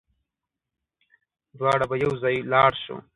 دواړه به يوځای لاړ شو